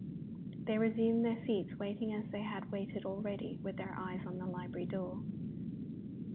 They resumed their seats, waiting, as they had waited already, with their eyes on the library door.